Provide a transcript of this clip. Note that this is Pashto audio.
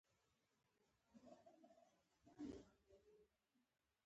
چې په هر قېمت مې خرڅوې.